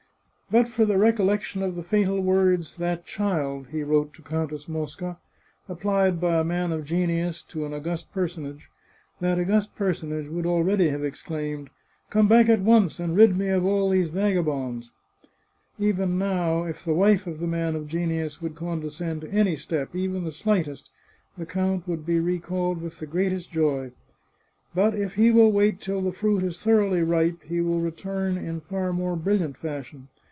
But for the recollection of the fatal words, * that child,' " he wrote to Countess Mosca, " applied by a man of genius to an august personage, that august personage would already have exclaimed ' Come back at once, and rid me of all these vagabonds.' Even now, if the wife of the man of genius would condescend to any step, even the slightest, the count would be recalled with the greatest joy. But if he will wait till the fruit is thoroughly ripe he will return in far more brilliant fashion.